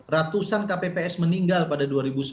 ratusan kpps meninggal pada dua ribu sembilan belas